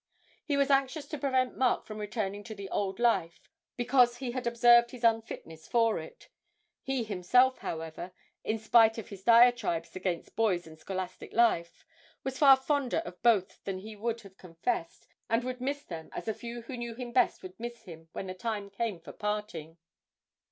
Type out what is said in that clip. He was anxious to prevent Mark from returning to the old life, because he had observed his unfitness for it; he himself, however, in spite of his diatribes against boys and scholastic life, was far fonder of both than he would have confessed, and would miss them as a few who knew him best would miss him when the time came for parting.